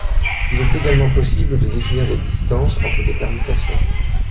Il est également possible de définir des distances entre des permutations.